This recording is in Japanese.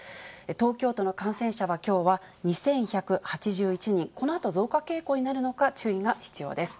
東京都の感染者は、きょうは２１８１人、このあと増加傾向になるのか、注意が必要です。